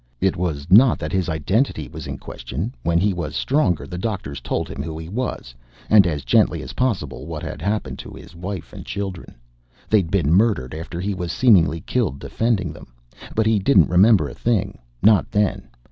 It was not that his identity was in question. When he was stronger, the doctors told him who he was, and as gently as possible what had happened to his wife and children. They'd been murdered after he was seemingly killed defending them. But he didn't remember a thing. Not then.